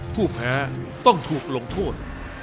ผู้แพ้ต้องถูกลงโทษ